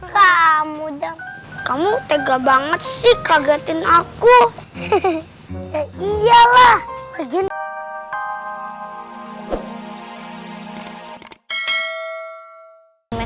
kamu dan kamu tega banget sih kagetin aku iyalah begini